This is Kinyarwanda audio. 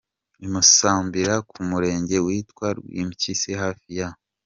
i Musambira ku murenge witwa Rwimpyisi hafi ya